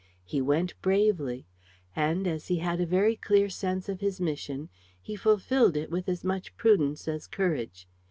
He went bravely. And, as he had a very clear sense of his mission, he fulfilled it with as much prudence as courage.